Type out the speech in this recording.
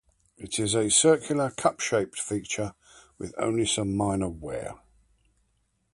It is a circular, cup-shaped feature with only some minor wear.